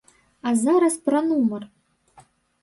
А зараз пра нумар.